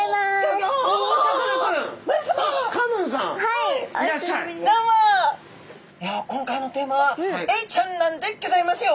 いや今回のテーマはエイちゃんなんでギョざいますよ。